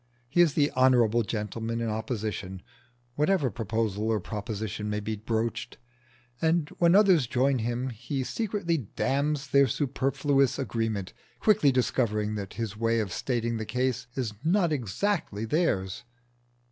He is the honourable gentleman in opposition, whatever proposal or proposition may be broached, and when others join him he secretly damns their superfluous agreement, quickly discovering that his way of stating the case is not exactly theirs.